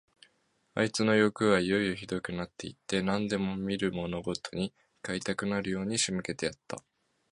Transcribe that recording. あいつのよくはいよいよひどくなって行って、何でも見るものごとに買いたくなるように仕向けてやった。